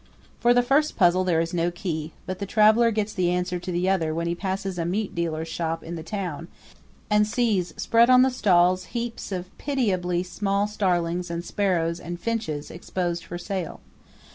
For the first puzzle there is no key, but the traveler gets the answer to the other when he passes a meat dealer's shop in the town and sees spread on the stalls heaps of pitiably small starlings and sparrows and finches exposed for sale.